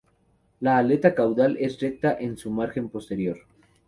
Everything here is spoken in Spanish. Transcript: La aleta caudal es recta en su margen posterior.